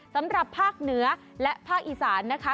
สำหรับภาคเหนือและภาคอีสานนะคะ